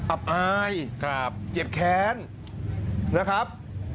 อ้าวอ้ายเจ็บแขนนะครับ